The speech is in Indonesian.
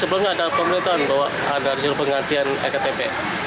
sebelumnya ada kompeten bahwa ada hasil pengantian iktp